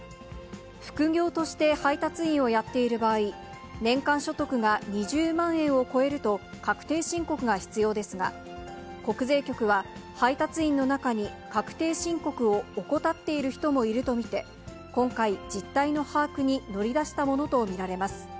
副業として配達員をやっている場合、年間所得が２０万円を超えると、確定申告が必要ですが、国税局は、配達員の中に、確定申告を怠っている人もいると見て、今回、実態の把握に乗り出したものと見られます。